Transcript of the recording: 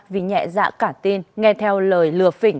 vì nhẹ dạ cả tin nghe theo lời lừa phỉnh